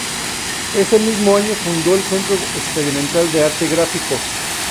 Ese mismo año fundó el Centro Experimental de Arte Gráfico.